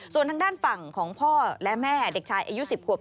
ส่วนทางด้านฝั่งของพ่อและแม่เด็กชายอายุ๑๐ขวบ